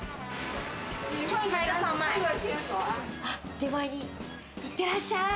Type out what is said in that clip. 出前に行ってらっしゃい。